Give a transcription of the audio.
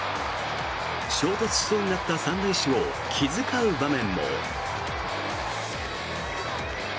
衝突しそうになった３塁手を気遣う場面も。